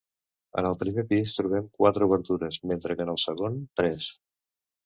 En el primer pis trobem quatre obertures, mentre que en el segon tres.